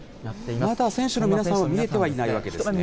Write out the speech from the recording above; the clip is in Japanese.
まだ選手の皆さんは見えてはいないわけですね。